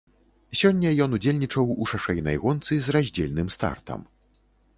Сёння ён удзельнічаў у шашэйнай гонцы з раздзельным стартам.